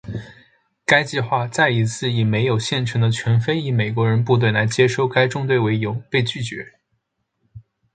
该计划再一次以没有现成的全非裔美国人部队来接收该中队为由被拒绝。